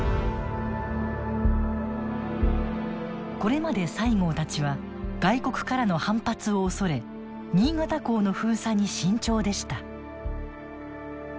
これまで西郷たちは外国からの反発を恐れ新潟港の封鎖に慎重でした。